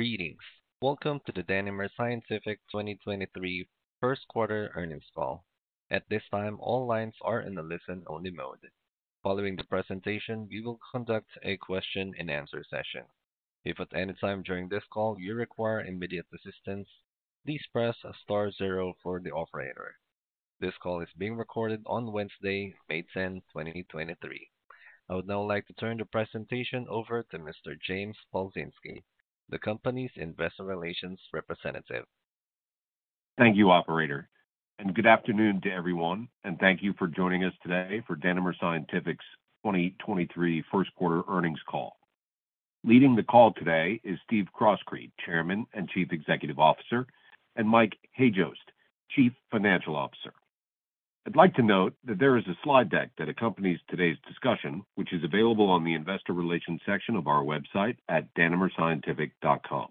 Greetings. Welcome to the Danimer Scientific 2023 first quarter earnings call. At this time, all lines are in a listen-only mode. Following the presentation, we will conduct a question and answer session. If at any time during this call you require immediate assistance, please press star zero for the operator. This call is being recorded on Wednesday, May 10, 2023. I would now like to turn the presentation over to Mr. James Palczynski, the company's investor relations representative. Thank you, operator, good afternoon to everyone, and thank you for joining us today for Danimer Scientific's 2023 first quarter earnings call. Leading the call today is Steve Croskrey, Chairman and Chief Executive Officer, and Mike Hajost, Chief Financial Officer. I'd like to note that there is a slide deck that accompanies today's discussion, which is available on the investor relations section of our website at danimerscientific.com.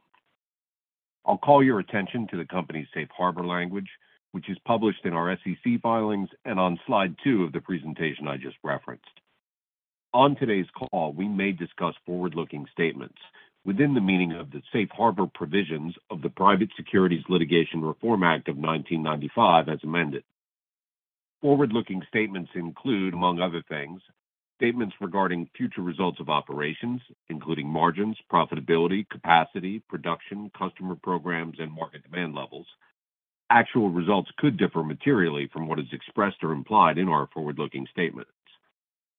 I'll call your attention to the company's Safe Harbor language, which is published in our SEC filings and on slide 2 of the presentation I just referenced. On today's call, we may discuss forward-looking statements within the meaning of the Safe Harbor provisions of the Private Securities Litigation Reform Act of 1995 as amended. Forward-looking statements include, among other things, statements regarding future results of operations, including margins, profitability, capacity, production, customer programs, and market demand levels. Actual results could differ materially from what is expressed or implied in our forward-looking statements.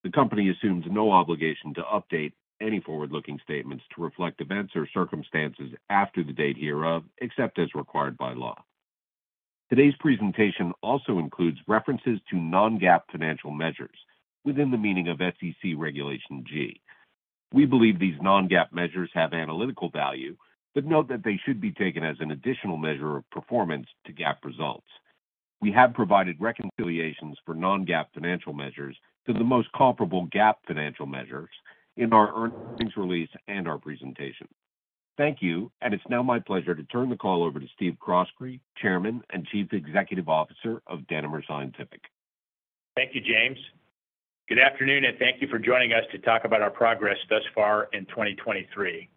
The company assumes no obligation to update any forward-looking statements to reflect events or circumstances after the date hereof, except as required by law. Today's presentation also includes references to non-GAAP financial measures within the meaning of SEC Regulation G. We believe these non-GAAP measures have analytical value, but note that they should be taken as an additional measure of performance to GAAP results. We have provided reconciliations for non-GAAP financial measures to the most comparable GAAP financial measures in our earnings release and our presentation. Thank you, and it's now my pleasure to turn the call over to Steve Croskrey, Chairman and Chief Executive Officer of Danimer Scientific. Thank you, James. Good afternoon, and thank you for joining us to talk about our progress thus far in 2023.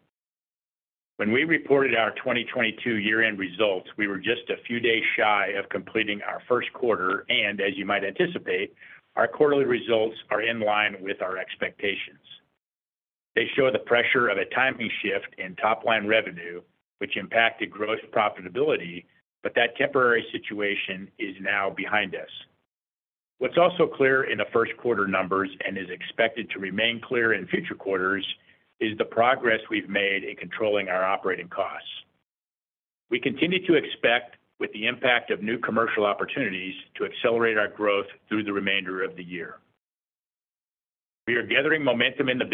When we reported our 2022 year-end results, we were just a few days shy of completing our first quarter, and as you might anticipate, our quarterly results are in line with our expectations. They show the pressure of a timing shift in top-line revenue, which impacted gross profitability, but that temporary situation is now behind us. What's also clear in the first quarter numbers and is expected to remain clear in future quarters is the progress we've made in controlling our operating costs. We continue to expect, with the impact of new commercial opportunities, to accelerate our growth through the remainder of the year. We are gathering momentum in the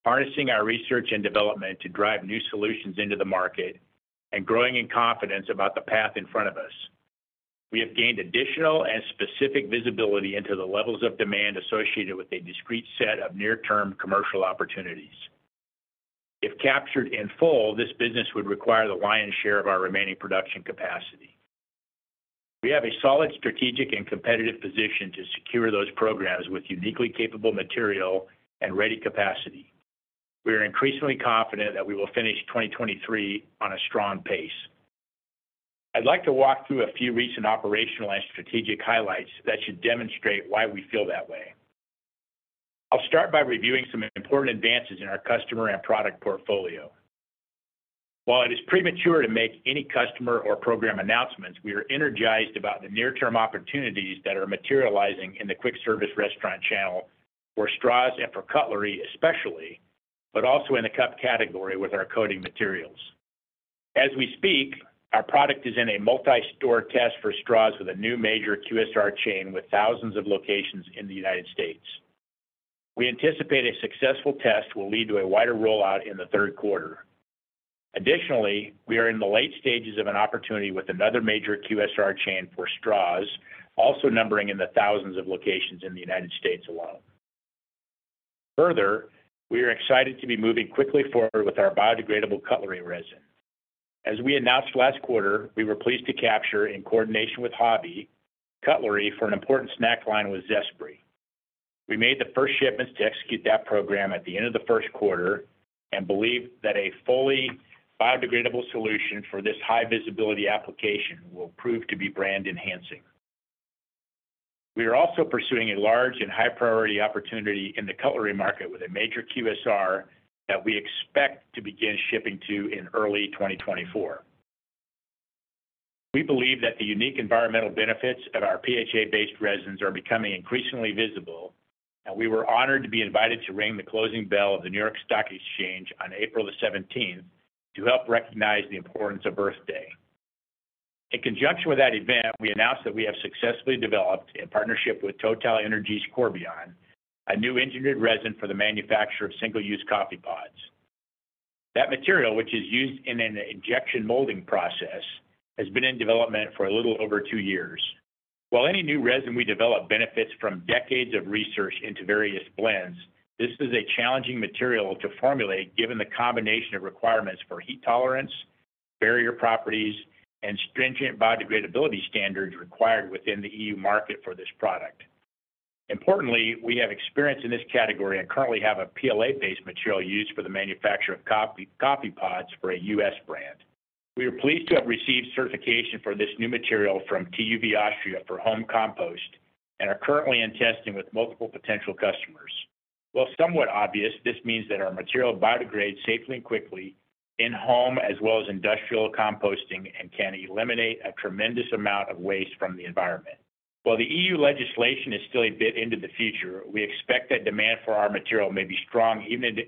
business, harnessing our research and development to drive new solutions into the market and growing in confidence about the path in front of us. We have gained additional and specific visibility into the levels of demand associated with a discrete set of near-term commercial opportunities. If captured in full, this business would require the lion's share of our remaining production capacity. We have a solid strategic and competitive position to secure those programs with uniquely capable material and ready capacity. We are increasingly confident that we will finish 2023 on a strong pace. I'd like to walk through a few recent operational and strategic highlights that should demonstrate why we feel that way. I'll start by reviewing some important advances in our customer and product portfolio. While it is premature to make any customer or program announcements, we are energized about the near-term opportunities that are materializing in the quick service restaurant channel for straws and for cutlery especially, but also in the cup category with our coating materials. As we speak, our product is in a multi-store test for straws with a new major QSR chain with thousands of locations in the United States. We anticipate a successful test will lead to a wider rollout in the third quarter. Additionally, we are in the late stages of an opportunity with another major QSR chain for straws, also numbering in the thousands of locations in the United States alone. Further, we are excited to be moving quickly forward with our biodegradable cutlery resin. As we announced last quarter, we were pleased to capture in coordination with Huhtamaki for an important snack line with Zespri. We made the first shipments to execute that program at the end of the first quarter. We believe that a fully biodegradable solution for this high visibility application will prove to be brand enhancing. We are also pursuing a large and high priority opportunity in the cutlery market with a major QSR that we expect to begin shipping to in early 2024. We believe that the unique environmental benefits of our PHA-based resins are becoming increasingly visible. We were honored to be invited to ring the closing bell of the New York Stock Exchange on April 17, to help recognize the importance of Earth Day. In conjunction with that event, we announced that we have successfully developed, in partnership with TotalEnergies Corbion, a new engineered resin for the manufacture of single-use coffee pods. That material, which is used in an injection molding process, has been in development for a little over two years. While any new resin we develop benefits from decades of research into various blends, this is a challenging material to formulate given the combination of requirements for heat tolerance, barrier properties, and stringent biodegradability standards required within the EU market for this product. Importantly, we have experience in this category and currently have a PLA-based material used for the manufacture of coffee pods for a U.S. brand. We are pleased to have received certification for this new material from TÜV AUSTRIA for home compost, and are currently in testing with multiple potential customers. While somewhat obvious, this means that our material biodegrades safely and quickly in home as well as industrial composting, and can eliminate a tremendous amount of waste from the environment. While the EU legislation is still a bit into the future, we expect that demand for our material may be strong even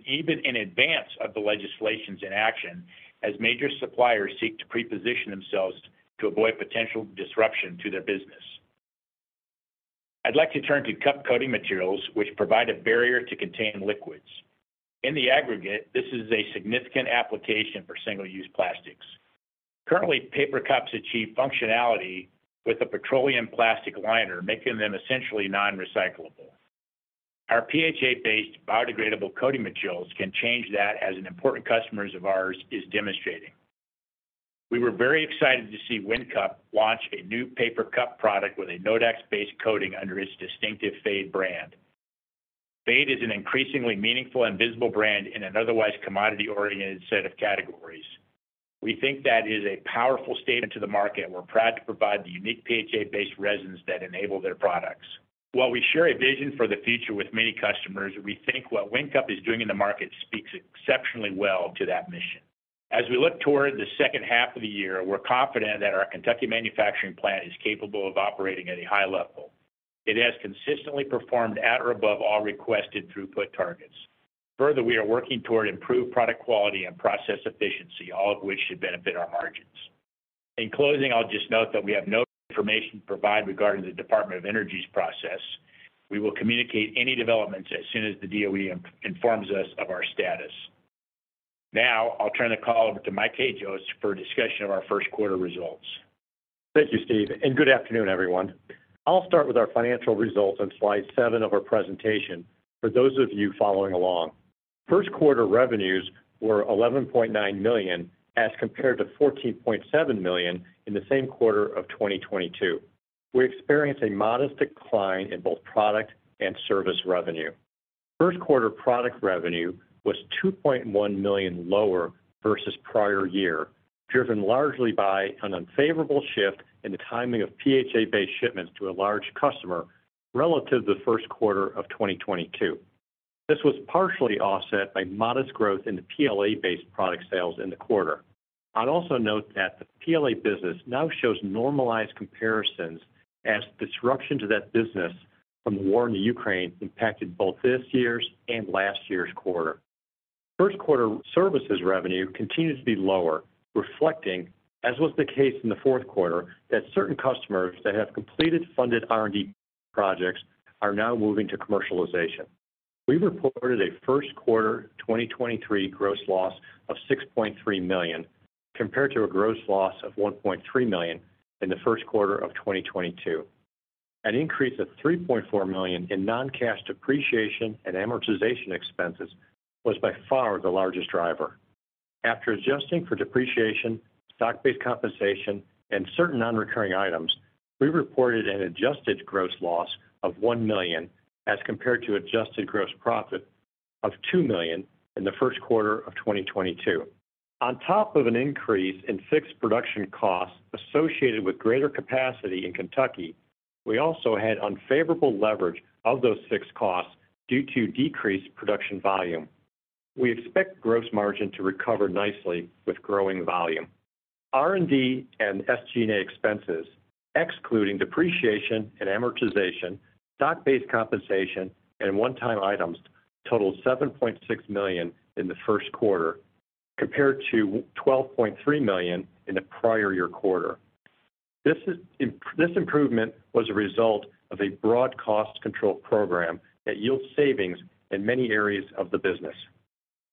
in advance of the legislations in action as major suppliers seek to pre-position themselves to avoid potential disruption to their business. I'd like to turn to cup coating materials, which provide a barrier to contain liquids. In the aggregate, this is a significant application for single-use plastics. Currently, paper cups achieve functionality with a petroleum plastic liner, making them essentially non-recyclable. Our PHA-based biodegradable coating materials can change that as an important customers of ours is demonstrating. We were very excited to see WinCup launch a new paper cup product with a Nodax-based coating under its distinctive phade brand. phade is an increasingly meaningful and visible brand in an otherwise commodity-oriented set of categories. We think that is a powerful statement to the market. We're proud to provide the unique PHA-based resins that enable their products. While we share a vision for the future with many customers, we think what WinCup is doing in the market speaks exceptionally well to that mission. We look toward the second half of the year, we're confident that our Kentucky manufacturing plant is capable of operating at a high level. It has consistently performed at or above all requested throughput targets. We are working toward improved product quality and process efficiency, all of which should benefit our margins. In closing, I'll just note that we have no information to provide regarding the Department of Energy's process. We will communicate any developments as soon as the DOE informs us of our status. I'll turn the call over to Mike Hajost for a discussion of our first quarter results. Thank you, Steve. Good afternoon, everyone. I'll start with our financial results on slide 7 of our presentation for those of you following along. First quarter revenues were $11.9 million as compared to $14.7 million in the same quarter of 2022. We experienced a modest decline in both product and service revenue. First quarter product revenue was $2.1 million lower versus prior year, driven largely by an unfavorable shift in the timing of PHA-based shipments to a large customer relative to the first quarter of 2022. This was partially offset by modest growth in the PLA-based product sales in the quarter. I'd also note that the PLA business now shows normalized comparisons as disruption to that business from the war in the Ukraine impacted both this year's and last year's quarter. First quarter services revenue continues to be lower, reflecting, as was the case in the fourth quarter, that certain customers that have completed funded R&D projects are now moving to commercialization. We reported a first quarter 2023 gross loss of $6.3 million, compared to a gross loss of $1.3 million in the first quarter of 2022. An increase of $3.4 million in non-cash depreciation and amortization expenses was by far the largest driver. After adjusting for depreciation, stock-based compensation, and certain non-recurring items, we reported an adjusted gross loss of $1 million as compared to adjusted gross profit of $2 million in the first quarter of 2022. On top of an increase in fixed production costs associated with greater capacity in Kentucky, we also had unfavorable leverage of those fixed costs due to decreased production volume. We expect gross margin to recover nicely with growing volume. R&D and SG&A expenses, excluding depreciation and amortization, stock-based compensation, and one-time items, totaled $7.6 million in the first quarter compared to $12.3 million in the prior year quarter. This improvement was a result of a broad cost control program that yields savings in many areas of the business.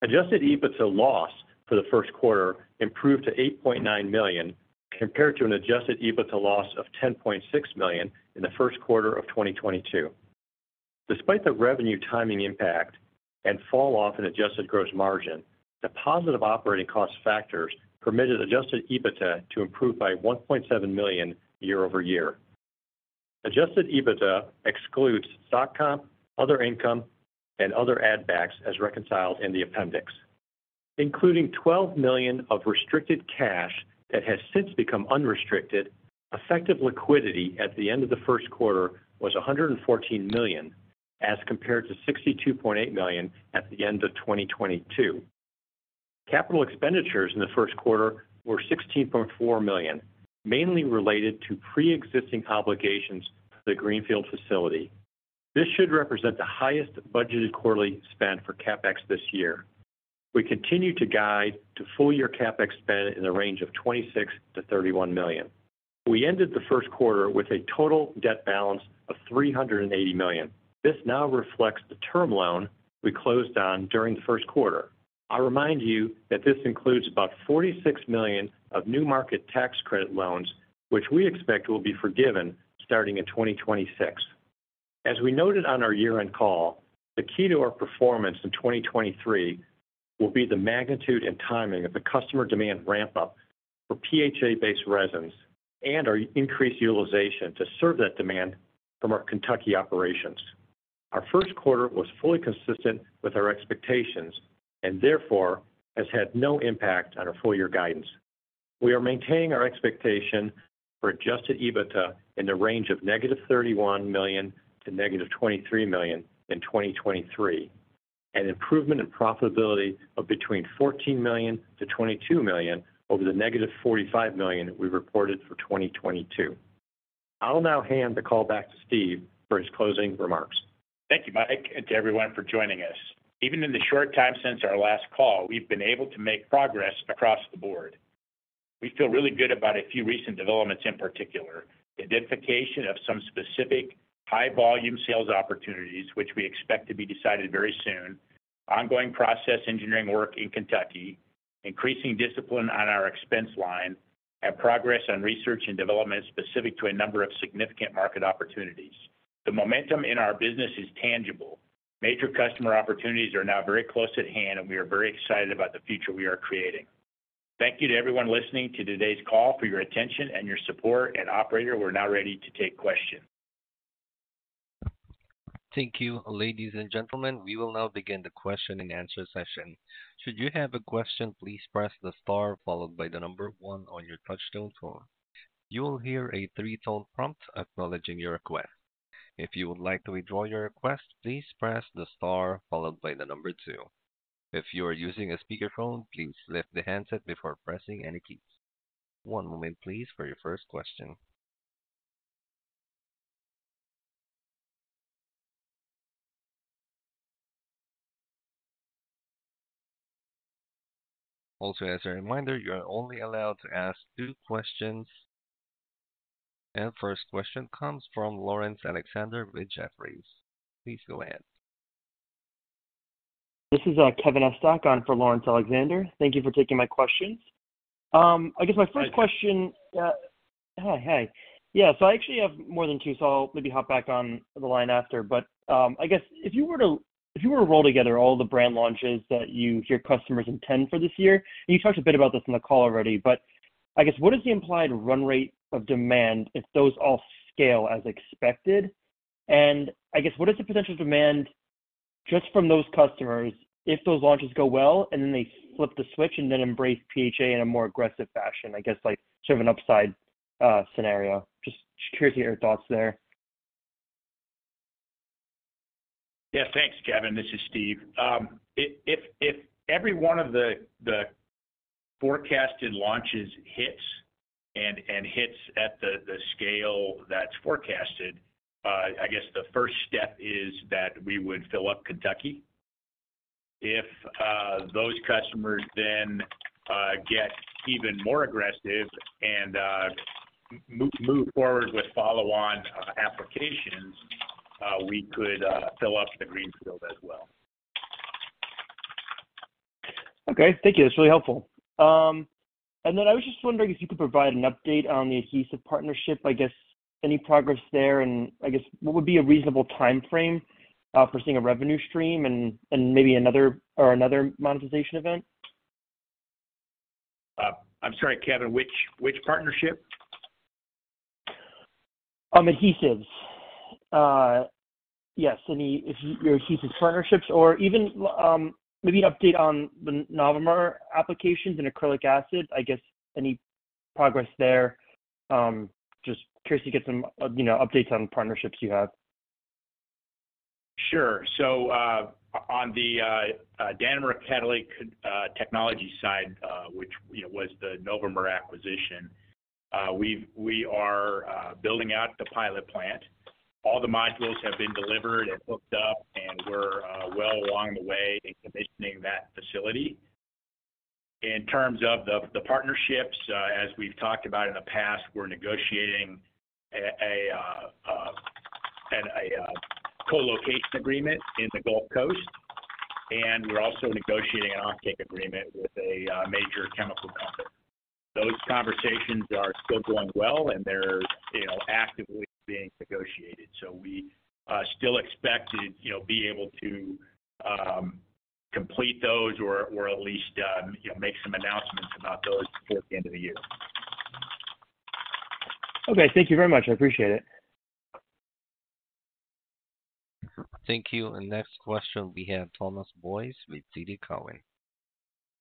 Adjusted EBITDA loss for the first quarter improved to $8.9 million compared to an adjusted EBITDA loss of $10.6 million in the first quarter of 2022. Despite the revenue timing impact and fall off in adjusted gross margin, the positive operating cost factors permitted adjusted EBITDA to improve by $1.7 million year-over-year. Adjusted EBITDA excludes stock comp, other income, and other add backs as reconciled in the appendix. Including $12 million of restricted cash that has since become unrestricted, effective liquidity at the end of the first quarter was $114 million as compared to $62.8 million at the end of 2022. Capital expenditures in the first quarter were $16.4 million, mainly related to pre-existing obligations for the Greenfield facility. This should represent the highest budgeted quarterly spend for CapEx this year. We continue to guide to full year CapEx spend in the range of $26 million-$31 million. We ended the first quarter with a total debt balance of $380 million. This now reflects the term loan we closed on during the first quarter. I remind you that this includes about $46 million of New Markets Tax Credit loans, which we expect will be forgiven starting in 2026. As we noted on our year-end call, the key to our performance in 2023 will be the magnitude and timing of the customer demand ramp-up for PHA-based resins and our increased utilization to serve that demand from our Kentucky operations. Our first quarter was fully consistent with our expectations and therefore has had no impact on our full year guidance. We are maintaining our expectation for adjusted EBITDA in the range of negative $31 million to -$23 million in 2023. An improvement in profitability of between $14 million to $22 million over the -$45 million we reported for 2022. I'll now hand the call back to Steve for his closing remarks. Thank you, Mike, and to everyone for joining us. Even in the short time since our last call, we've been able to make progress across the board. We feel really good about a few recent developments, in particular, the identification of some specific high volume sales opportunities which we expect to be decided very soon. Ongoing process engineering work in Kentucky, increasing discipline on our expense line, and progress on research and development specific to a number of significant market opportunities. The momentum in our business is tangible. Major customer opportunities are now very close at hand. We are very excited about the future we are creating. Thank you to everyone listening to today's call for your attention and your support. Operator, we're now ready to take questions. Thank you, ladies and gentlemen. We will now begin the question and answer session. Should you have a question, please press the star followed by the number 1 on your touchtone phone. You will hear a three-tone prompt acknowledging your request. If you would like to withdraw your request, please press the star followed by the number 2. If you are using a speakerphone, please lift the handset before pressing any keys. One moment please for your first question. Also, as a reminder, you are only allowed to ask two questions. First question comes from Laurence Alexander with Jefferies. Please go ahead. This is Kevin Estok on for Laurence Alexander. Thank you for taking my questions. I guess my first question. Hi, Kevin. Hi. Hey. I actually have more than two, so I'll maybe hop back on the line after. I guess if you were to, if you were to roll together all the brand launches that your customers intend for this year, and you talked a bit about this on the call already, but I guess, what is the implied run rate of demand if those all scale as expected? I guess, what is the potential demand just from those customers if those launches go well and then they flip the switch and then embrace PHA in a more aggressive fashion? I guess like sort of an upside scenario. Just curious to hear your thoughts there. Yeah. Thanks, Kevin. This is Steve. If every one of the forecasted launches hits and hits at the scale that's forecasted, I guess the first step is that we would fill up Kentucky. If those customers then get even more aggressive and move forward with follow-on applications, we could fill up the Greenfield as well. Okay. Thank you. That's really helpful. I was just wondering if you could provide an update on the adhesive partnership. I guess any progress there, and I guess what would be a reasonable timeframe for seeing a revenue stream and maybe another monetization event? I'm sorry, Kevin, which partnership? Adhesives. Yes, any if your adhesives partnerships or even, maybe an update on the Novomer applications and acrylic acid? I guess any progress there. Just curious to get some you know, updates on the partnerships you have. Sure. On the Danimer catalytic technology side, which, you know, was the Novomer acquisition, we are building out the pilot plant. All the modules have been delivered and hooked up, and we're well along the way in commissioning that facility. In terms of the partnerships, as we've talked about in the past, we're negotiating a co-location agreement in the Gulf Coast, and we're also negotiating an offtake agreement with a major chemical company. Those conversations are still going well, and they're, you know, actively being negotiated. We still expect to, you know, be able to complete those or at least, you know, make some announcements about those before the end of the year. Okay. Thank you very much. I appreciate it. Thank you. Next question we have Thomas Boyes with TD Cowen.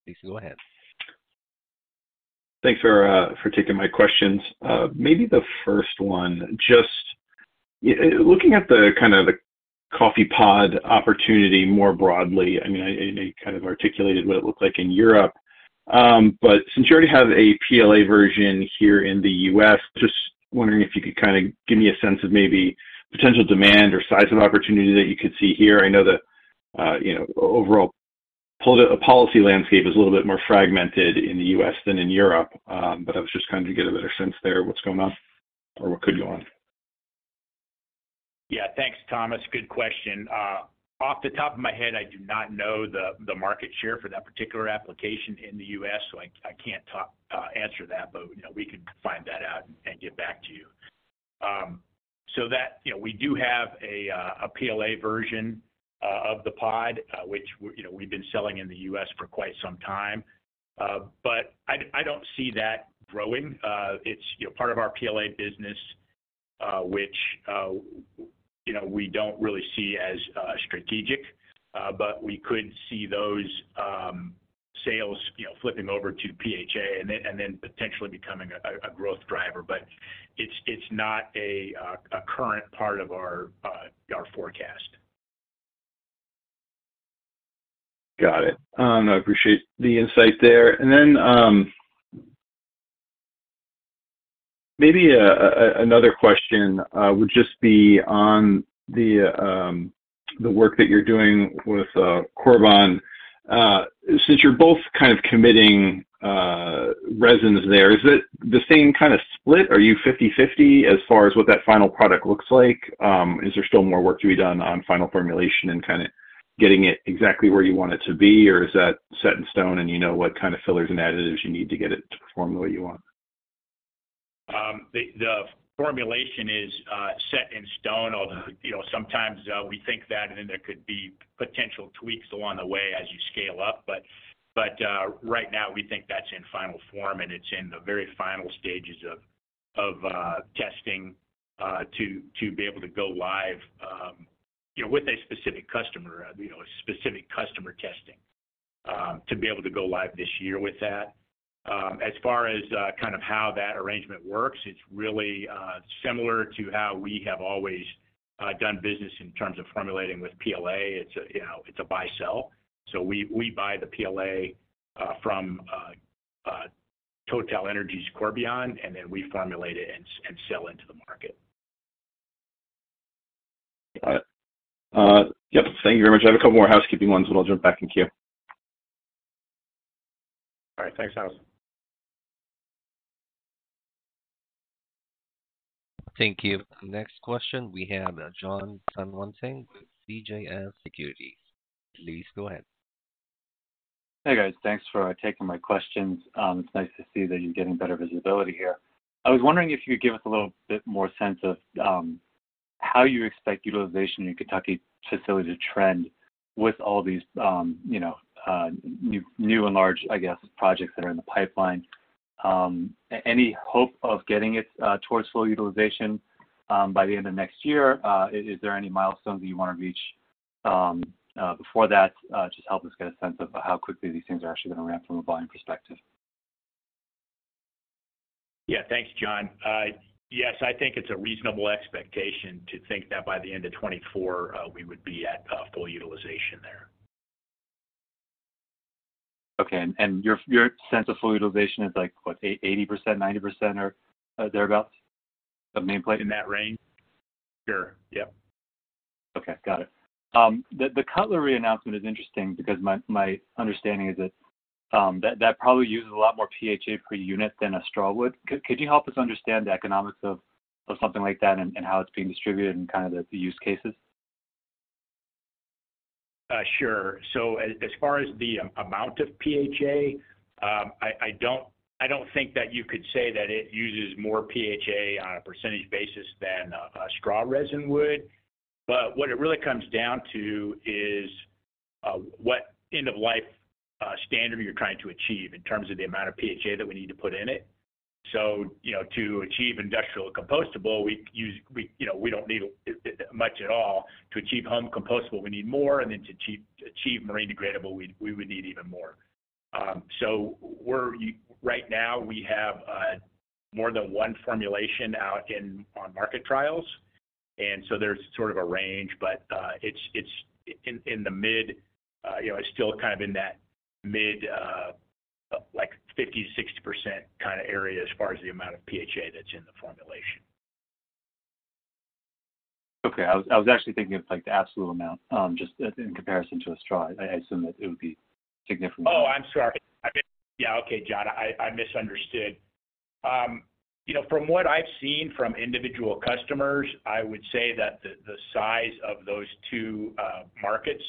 Please go ahead. Thanks for taking my questions. Maybe the first one, just looking at the kind of the coffee pod opportunity more broadly, I mean, and you kind of articulated what it looked like in Europe. Since you already have a PLA version here in the U.S., just wondering if you could kinda give me a sense of maybe potential demand or size of opportunity that you could see here. I know the, you know, overall policy landscape is a little bit more fragmented in the U.S. than in Europe. I was just trying to get a better sense there of what's going on or what could go on. Thanks, Thomas. Good question. Off the top of my head, I do not know the market share for that particular application in the U.S., I can't answer that. You know, we could find that out and get back to you. That, you know, we do have a PLA version of the pod, which we, you know, we've been selling in the U.S. for quite some time. I don't see that growing. It's, you know, part of our PLA business, which, you know, we don't really see as strategic. We could see those sales, you know, flipping over to PHA and then potentially becoming a growth driver. It's not a current part of our forecast. Got it. I appreciate the insight there. Maybe another question would just be on the work that you're doing with Corbion. Since you're both kind of committing resins there, is it the same kind of split? Are you 50/50 as far as what that final product looks like? Is there still more work to be done on final formulation and kind of getting it exactly where you want it to be? Is that set in stone, and you know what kind of fillers and additives you need to get it to perform the way you want? The formulation is set in stone, although, you know, sometimes we think that and then there could be potential tweaks along the way as you scale up. Right now we think that's in final form, and it's in the very final stages of testing to be able to go live with a specific customer testing to be able to go live this year with that. As far as kind of how that arrangement works, it's really similar to how we have always done business in terms of formulating with PLA. It's a buy-sell. We buy the PLA from TotalEnergies Corbion, and then we formulate it and sell into the market. Got it. Yep, thank you very much. I have a couple more housekeeping ones, I'll jump back in queue. All right. Thanks, Thomas. Thank you. Next question, we have Jon Tanwanteng with CJS Securities. Please go ahead. Hey, guys. Thanks for taking my questions. It's nice to see that you're getting better visibility here. I was wondering if you could give us a little bit more sense of how you expect utilization in your Kentucky facility to trend with all these, you know, new and large, I guess, projects that are in the pipeline. Any hope of getting it towards full utilization by the end of next year? Is there any milestones that you wanna reach before that? Just help us get a sense of how quickly these things are actually gonna ramp from a volume perspective. Yeah. Thanks, Jon. Yes, I think it's a reasonable expectation to think that by the end of 2024, we would be at full utilization there. Okay. Your sense of full utilization is like, what, 80%, 90% or thereabout of main plate? In that range. Sure. Yeah. Okay. Got it. The cutlery announcement is interesting because my understanding is that probably uses a lot more PHA per unit than a straw would. Could you help us understand the economics of something like that and how it's being distributed and kind of the use cases? Sure. As far as the amount of PHA, I don't think that you could say that it uses more PHA on a percentage basis than a straw resin would, but what it really comes down to is what end of life standard you're trying to achieve in terms of the amount of PHA that we need to put in it. You know, to achieve industrial compostable, we don't need much at all. To achieve home compostable, we need more. To achieve marine degradable, we would need even more. Right now we have more than 1 formulation out in on market trials, and so there's sort of a range, but it's in the mid, you know, it's still kind of in that mid, like 50%-60% kinda area as far as the amount of PHA that's in the formulation. Okay. I was actually thinking of like the absolute amount, just in comparison to a straw. I assume that it would be. Oh, I'm sorry. I mean... Yeah. Okay, Jon, I misunderstood. you know, from what I've seen from individual customers, I would say that the size of those 2 markets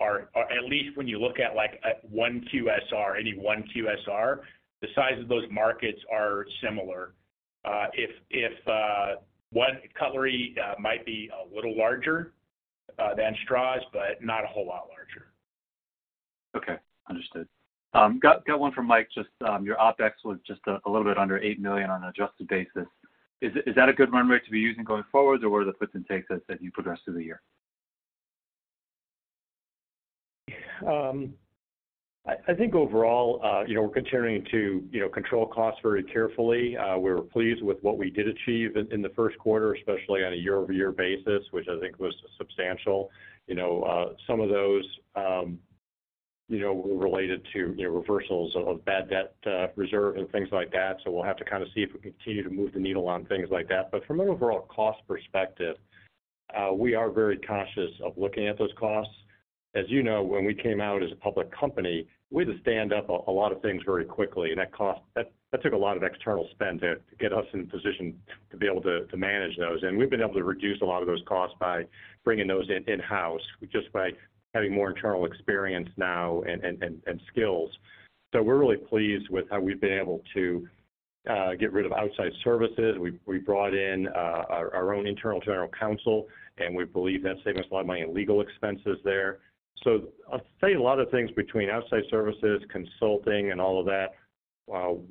are at least when you look at, like, a 1 QSR, any 1 QSR, the size of those markets are similar. If 1 cutlery might be a little larger than straws, but not a whole lot larger. Okay. Understood. Got one for Mike, just your OpEx was a little bit under $8 million on an adjusted basis. Is that a good run rate to be using going forward, or what are the puts and takes as you progress through the year? I think overall, you know, we're continuing to, you know, control costs very carefully. We're pleased with what we did achieve in the first quarter, especially on a year-over-year basis, which I think was substantial. You know, some of those, you know, related to, you know, reversals of bad debt, reserve and things like that. We'll have to kind of see if we continue to move the needle on things like that. From an overall cost perspective, we are very cautious of looking at those costs. As you know, when we came out as a public company, we had to stand up a lot of things very quickly, and that took a lot of external spend to get us in a position to be able to manage those. We've been able to reduce a lot of those costs by bringing those in-house just by having more internal experience now and skills. We're really pleased with how we've been able to get rid of outside services. We brought in our own internal general counsel, and we believe that saved us a lot of money in legal expenses there. I'll say a lot of things between outside services, consulting and all of that,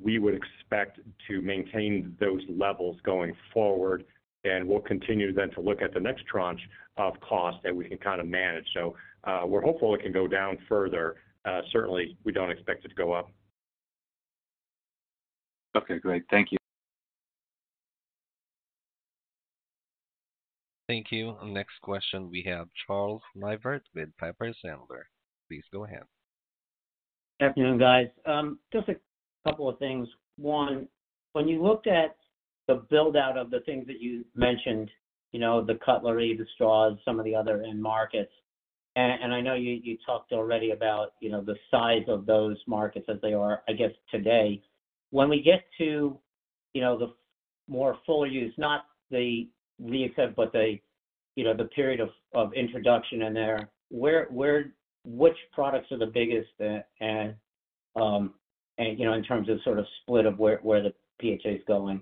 we would expect to maintain those levels going forward, and we'll continue then to look at the next tranche of costs that we can kind of manage. We're hopeful it can go down further. Certainly, we don't expect it to go up. Okay, great. Thank you. Thank you. Next question, we have Charles Neivert with Piper Sandler. Please go ahead. Good afternoon, guys. Just a couple of things. One, when you looked at the build-out of the things that you mentioned, you know, the cutlery, the straws, some of the other end markets, and I know you talked already about, you know, the size of those markets as they are, I guess today. When we get to, you know, the more full use, not the reaccept, but the, you know, the period of introduction in there, where, which products are the biggest, and, you know, in terms of sort of split of where the PHA is going.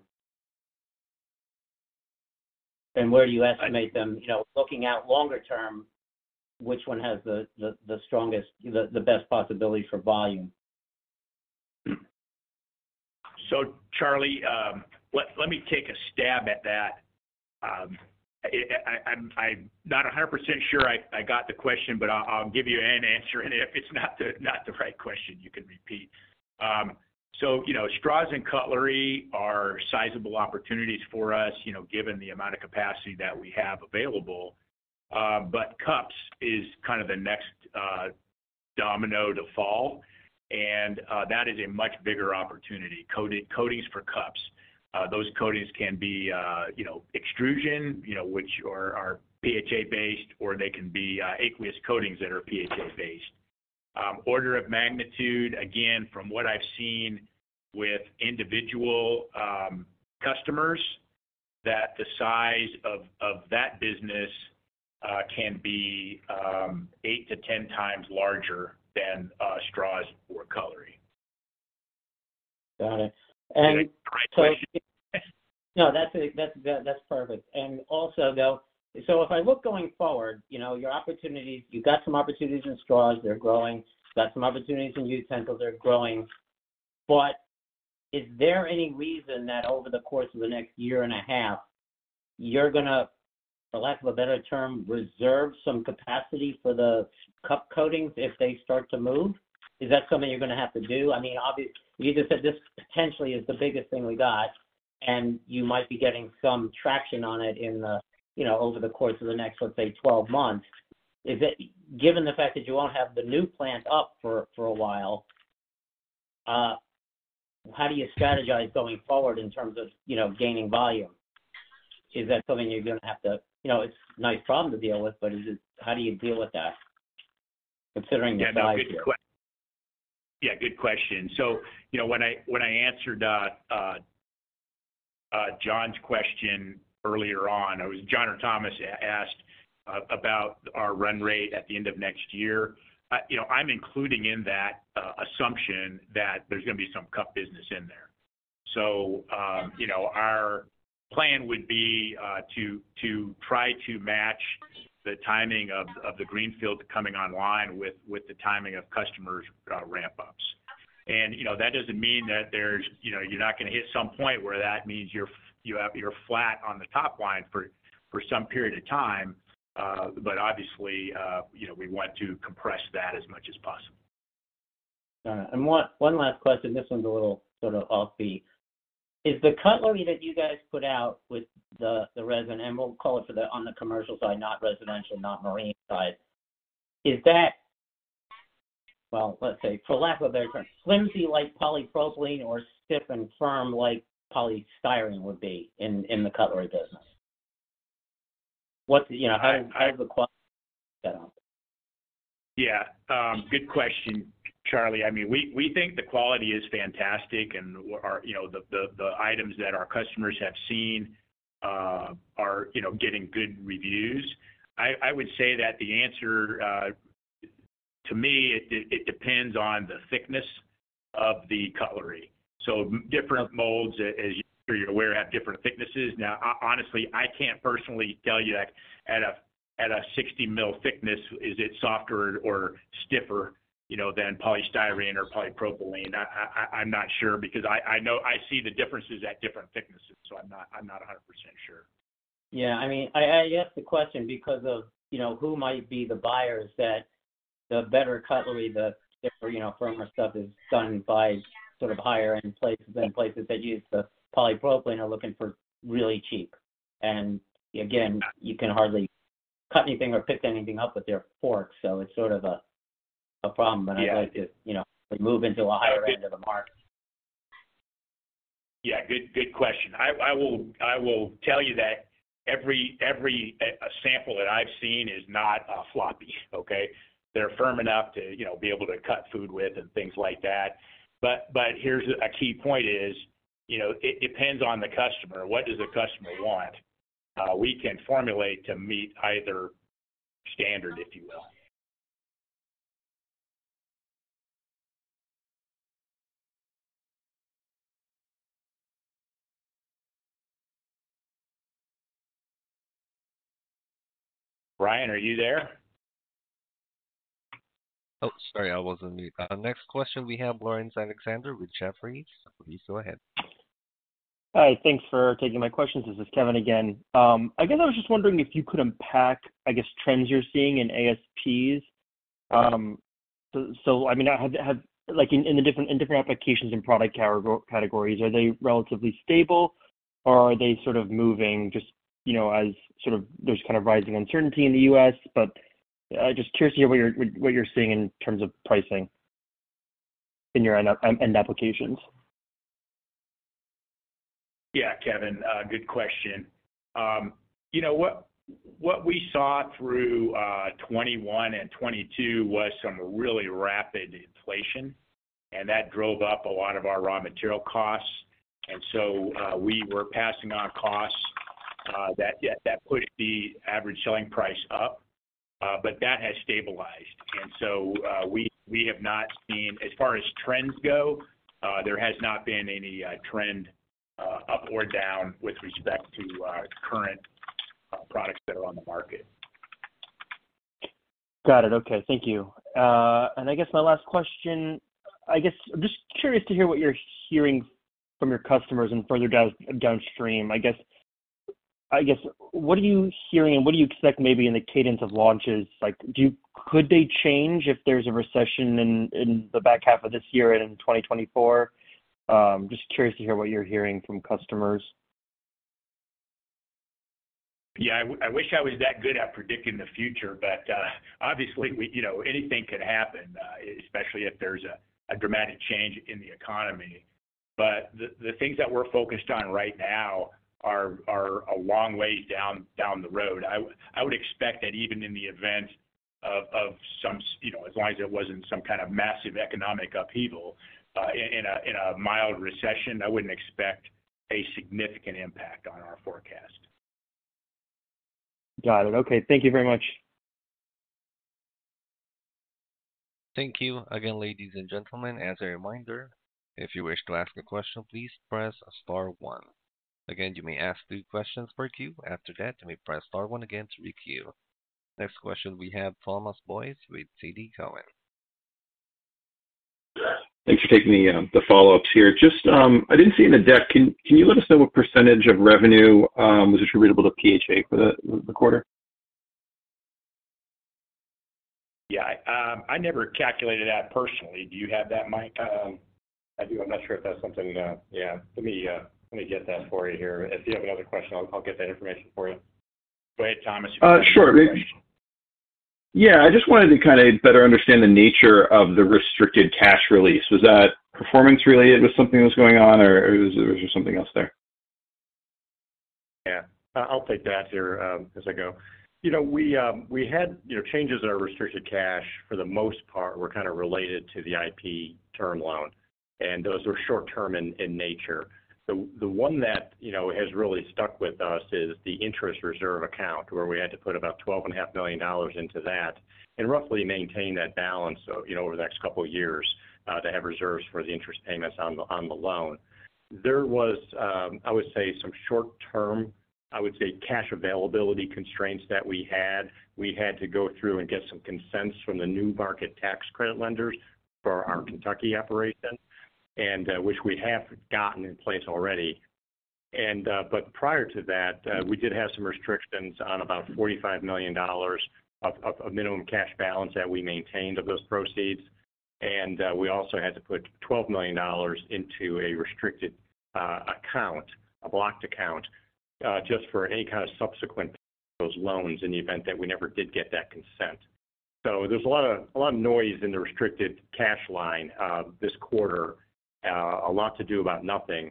Where you estimate them, you know, looking out longer term, which one has the strongest, the best possibility for volume? Charlie, let me take a stab at that. I'm not 100% sure I got the question, but I'll give you an answer, and if it's not the right question, you can repeat. You know, straws and cutlery are sizable opportunities for us, you know, given the amount of capacity that we have available. Cups is kind of the next domino to fall, that is a much bigger opportunity. Coatings for cups. Those coatings can be, you know, extrusion, you know, which are PHA-based, or they can be aqueous coatings that are PHA-based. Order of magnitude, again, from what I've seen with individual customers, that the size of that business, can be 8x-10x larger than straws or cutlery. Got it. Did I answer your question? No, that's perfect. Also, though, if I look going forward, you know, your opportunities, you've got some opportunities in straws, they're growing. Got some opportunities in utensils, they're growing. Is there any reason that over the course of the next year and a half, you're gonna, for lack of a better term, reserve some capacity for the cup coatings if they start to move? Is that something you're gonna have to do? I mean, you just said this potentially is the biggest thing we got, and you might be getting some traction on it in the, you know, over the course of the next, let's say, 12 months. Is it? Given the fact that you won't have the new plant up for a while, how do you strategize going forward in terms of, you know, gaining volume? You know, it's a nice problem to deal with, but how do you deal with that considering the size here? Good question. You know, when I answered Jon's question earlier on, it was Jon or Thomas asked about our run rate at the end of next year. You know, I'm including in that assumption that there's gonna be some cup business in there. You know, our plan would be to try to match the timing of the greenfield coming online with the timing of customers' ramp-ups. You know, that doesn't mean that there's, you know, you're not gonna hit some point where that means you're flat on the top line for some period of time. Obviously, you know, we want to compress that as much as possible. Got it. One last question. This one's a little sort of offbeat. Is the cutlery that you guys put out with the resin, and we'll call it for the, on the commercial side, not residential, not marine side, is that, well, let's say for lack of a better term, flimsy like polypropylene or stiff and firm like polystyrene would be in the cutlery business? What's, you know, how does the quality stack up? Yeah. Good question, Charlie. I mean, we think the quality is fantastic and our, you know, the items that our customers have seen, are, you know, getting good reviews. I would say that the answer, to me, it depends on the thickness of the cutlery. Different molds, as you're aware, have different thicknesses. Now, honestly, I can't personally tell you at a 60 mil thickness, is it softer or stiffer, you know, than polystyrene or polypropylene? I'm not sure because I know I see the differences at different thicknesses, so I'm not 100% sure. Yeah. I mean, I ask the question because of, you know, who might be the buyers that the better cutlery, the stiffer, you know, firmer stuff is done by sort of higher end places than places that use the polypropylene are looking for really cheap. Again, you can hardly cut anything or pick anything up with their forks. It's sort of a problem. Yeah. I'd like to, you know, move into a higher end of the market. Yeah. Good question. I will tell you that every sample that I've seen is not floppy, okay? They're firm enough to, you know, be able to cut food with and things like that. Here's a key point is, you know, it depends on the customer. What does the customer want? We can formulate to meet either standard, if you will. Brian, are you there? Oh, sorry, I was on mute. Next question we have Laurence Alexander with Jefferies. Please go ahead. Hi. Thanks for taking my questions. This is Kevin again. I guess I was just wondering if you could unpack trends you're seeing in ASPs. So I mean, have Like, in the different applications and product categories, are they relatively stable or are they sort of moving just, you know, as sort of there's kind of rising uncertainty in the U.S.? Just curious to hear what you're seeing in terms of pricing in your end applications. Yeah, Kevin, good question. You know, what we saw through 2021 and 2022 was some really rapid inflation, and that drove up a lot of our raw material costs. We were passing on costs that, yeah, that pushed the average selling price up. That has stabilized. We have not seen. As far as trends go, there has not been any trend up or down with respect to our current products that are on the market. Got it. Okay, thank you. I guess my last question, I guess I'm just curious to hear what you're hearing from your customers and further down, downstream. I guess, what are you hearing and what do you expect maybe in the cadence of launches? Like, could they change if there's a recession in the back half of this year and in 2024? Just curious to hear what you're hearing from customers. Yeah, I wish I was that good at predicting the future, but, obviously, we, you know, anything could happen, especially if there's a dramatic change in the economy. The things that we're focused on right now are a long way down the road. I would expect that even in the event of some you know, as long as it wasn't some kind of massive economic upheaval, in a mild recession, I wouldn't expect a significant impact on our forecast. Got it. Okay. Thank you very much. Thank you. Again, ladies and gentlemen, as a reminder, if you wish to ask a question, please press star one. Again, you may ask three questions per queue. After that, you may press star one again to re-queue. Next question we have Thomas Boyes with TD Cowen. Thanks for taking the follow-ups here. Just, I didn't see in the deck, can you let us know what percentage of revenue was attributable to PHA for the quarter? Yeah. I never calculated that personally. Do you have that, Mike? I do. I'm not sure if that's something... Yeah, let me, let me get that for you here. If you have another question, I'll get that information for you. Go ahead, Thomas. Sure. Yeah, I just wanted to kinda better understand the nature of the restricted cash release. Was that performance-related with something that was going on or was there something else there? Yeah. I'll take that here as I go. You know, we had, you know, changes in our restricted cash for the most part were kind of related to the IP term loan, and those were short term in nature. The one that, you know, has really stuck with us is the interest reserve account, where we had to put about twelve and a half million dollars into that and roughly maintain that balance, you know, over the next couple of years to have reserves for the interest payments on the loan. There was, I would say some short term, I would say cash availability constraints that we had. We had to go through and get some consents from the New Markets Tax Credit lenders for our Kentucky operation, which we have gotten in place already. But prior to that, we did have some restrictions on about $45 million minimum cash balance that we maintained of those proceeds. We also had to put $12 million into a restricted account, a blocked account, just for any kind of subsequent those loans in the event that we never did get that consent. There's a lot of noise in the restricted cash line this quarter. A lot to do about nothing.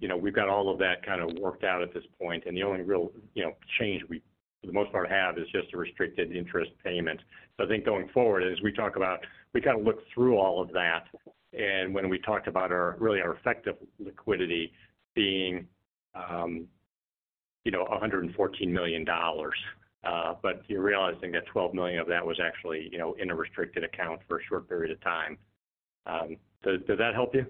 You know, we've got all of that kind of worked out at this point, and the only real, you know, change we for the most part have is just a restricted interest payment. I think going forward, as we talk about, we kind of look through all of that. When we talked about our, really our effective liquidity being, you know, $114 million, but you're realizing that $12 million of that was actually, you know, in a restricted account for a short period of time. Does that help you?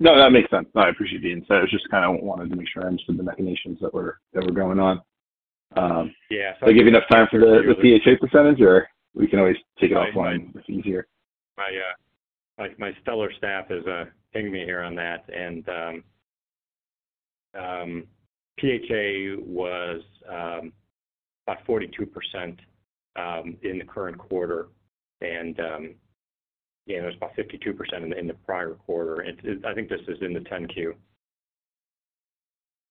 No, that makes sense. No, I appreciate the insight. I was just kinda wanted to make sure I understood the machinations that were going on. Yeah. Did I give you enough time for the PHA%, or we can always take it offline if it's easier. My stellar staff is pinging me here on that. PHA was about 42% in the current quarter. Yeah, it was about 52% in the prior quarter. I think this is in the 10-Q.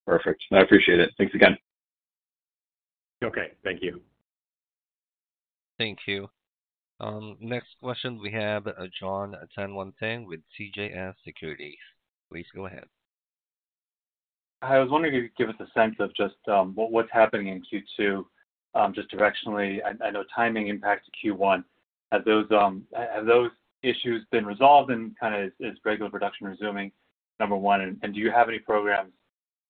Perfect. No, I appreciate it. Thanks again. Okay. Thank you. Thank you. Next question we have, Jon Tanwanteng with CJS Securities. Please go ahead. I was wondering if you could give us a sense of just, what's happening in Q2, just directionally. I know timing impacted Q1. Have those, have those issues been resolved and kinda is regular production resuming, number one? Do you have any programs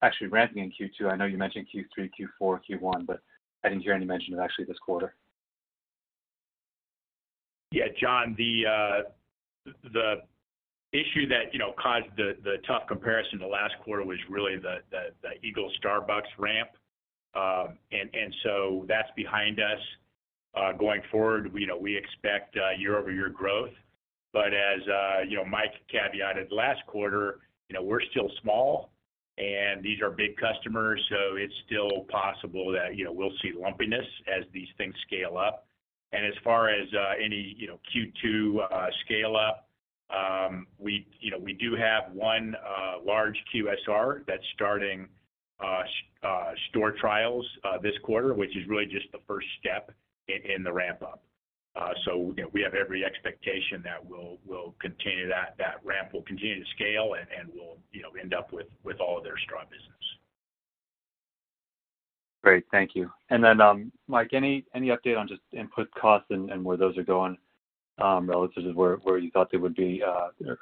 Actually ramping in Q2. I know you mentioned Q3, Q4, Q1, but I didn't hear any mention of actually this quarter. Yeah, Jon, the issue that, you know, caused the tough comparison the last quarter was really the Eagle Starbucks ramp. That's behind us. Going forward, you know, we expect year-over-year growth. As, you know, Mike caveated last quarter, you know, we're still small, and these are big customers, so it's still possible that, you know, we'll see lumpiness as these things scale up. As far as any, you know, Q2 scale up, we, you know, we do have one large QSR that's starting store trials this quarter, which is really just the first step in the ramp up. You know, we have every expectation that we'll continue that ramp. We'll continue to scale and we'll, you know, end up with all of their straw business. Great. Thank you. Mike, any update on just input costs and where those are going relative to where you thought they would be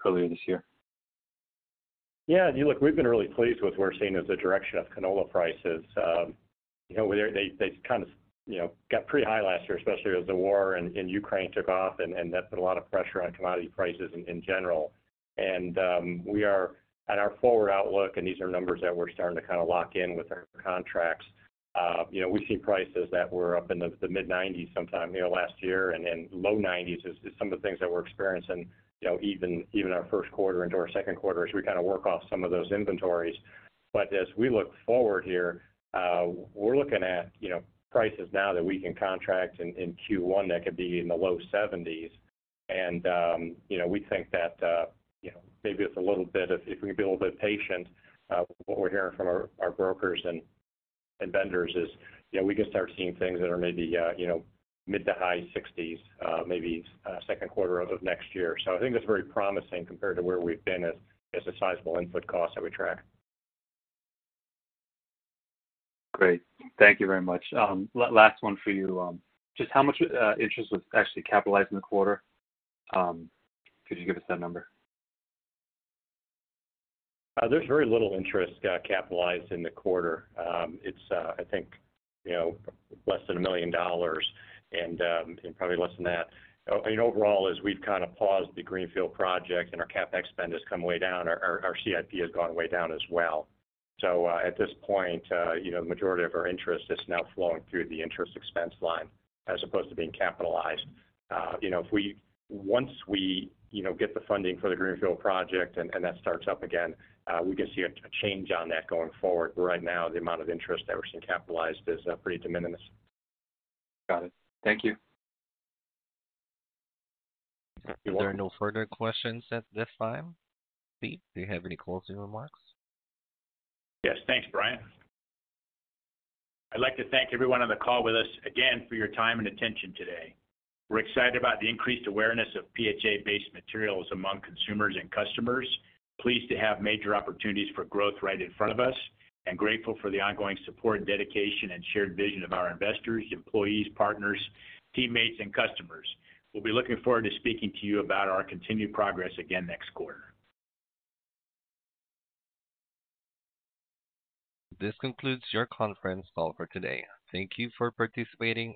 earlier this year? Yeah. Look, we've been really pleased with what we're seeing as the direction of canola prices. you know, they kind of, you know, got pretty high last year, especially as the war in Ukraine took off and that put a lot of pressure on commodity prices in general. We are at our forward outlook, and these are numbers that we're starting to kinda lock in with our contracts. you know, we've seen prices that were up in the mid-90s sometime, you know, last year and in low 90s is some of the things that we're experiencing, you know, even our first quarter into our second quarter as we kinda work off some of those inventories. As we look forward here, we're looking at, you know, prices now that we can contract in Q1 that could be in the low $70s. We think that, you know, maybe it's a little bit of if we can be a little bit patient, what we're hearing from our brokers and vendors is, you know, we could start seeing things that are maybe, you know, mid to high $60s, maybe, second quarter of next year. I think that's very promising compared to where we've been as a sizable input cost that we track. Great. Thank you very much. Last one for you. Just how much interest was actually capitalized in the quarter? Could you give us that number? There's very little interest capitalized in the quarter. It's, I think, you know, less than $1 million and probably less than that. I mean, overall, as we've kinda paused the Greenfield project and our CapEx spend has come way down, our CIP has gone way down as well. At this point, you know, the majority of our interest is now flowing through the interest expense line as opposed to being capitalized. You know, once we, you know, get the funding for the Greenfield project and that starts up again, we could see a change on that going forward. Right now, the amount of interest that we're seeing capitalized is pretty de minimis. Got it. Thank you. If there are no further questions at this time, Steve Croskrey, do you have any closing remarks? Yes. Thanks, Brian. I'd like to thank everyone on the call with us again for your time and attention today. We're excited about the increased awareness of PHA-based materials among consumers and customers, pleased to have major opportunities for growth right in front of us, and grateful for the ongoing support, dedication, and shared vision of our investors, employees, partners, teammates, and customers. We'll be looking forward to speaking to you about our continued progress again next quarter. This concludes your conference call for today. Thank you for participating and-